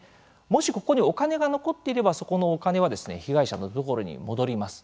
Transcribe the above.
もし、ここにお金が残っていればそこのお金は被害者のところに戻ります。